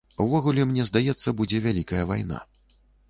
Увогуле, мне здаецца, будзе вялікая вайна.